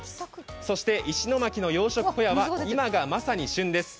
石巻の養殖ホヤは今がまさに旬です。